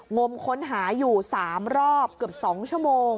งมค้นหาอยู่๓รอบเกือบ๒ชม